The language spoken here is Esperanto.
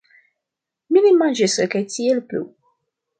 Mi ne manĝis kaj tiel plu.